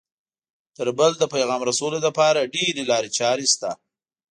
تر بل د پیغام رسولو لپاره ډېرې لارې چارې شته